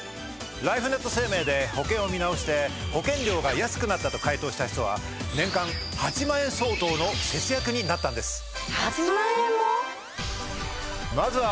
ライフネット生命で保険を見直して保険料が安くなったと回答した人は年間８万円相当の節約になったんです。